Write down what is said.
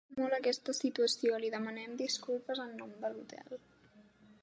Sento molt aquesta situació, li demanem disculpes en nom de l'hotel.